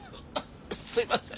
すいません。